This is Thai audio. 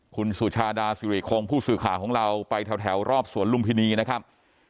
คุณสุชาดาสุริคองผู้ศึกษาของเราไปแถวรอบสวนรุ่มภิ์นีนะครับ